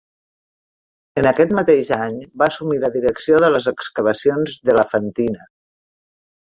En aquest mateix any, va assumir la direcció de les excavacions d'Elefantina.